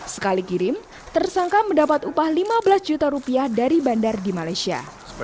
sekali kirim tersangka mendapat upah lima belas juta rupiah dari bandar di malaysia